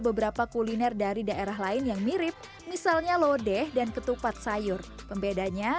beberapa kuliner dari daerah lain yang mirip misalnya lodeh dan ketupat sayur pembedanya